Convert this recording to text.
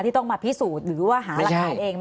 ที่ต้องมาพิสูจน์หรือว่าหาราคาเอง